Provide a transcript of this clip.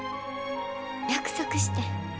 約束してん。